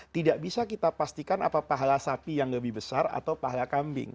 tidak bisa kita pastikan apa pahala sapi yang lebih besar atau pahala kambing